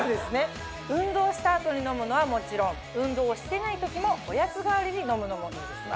運動した後に飲むのはもちろん運動をしてない時もおやつ代わりに飲むのもいいですよ。